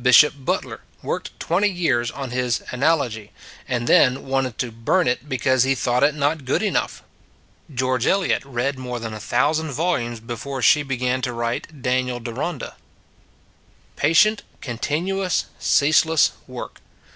Bishop Butler worked twenty years on 42 It s a Good Old World his " Analogy," and then wanted to burn it because he thought it not good enough. George Eliot read more than a thousand volumes before she began to write " Dan iel Deronda." Patient, continuous, ceaseless work.